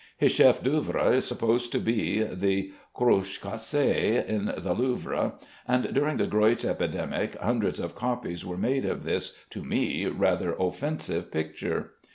His chef d'œuvre is supposed to be the "Cruche cassee" at the Louvre; and during the Greuze epidemic, hundreds of copies were made of this (to me) rather offensive picture.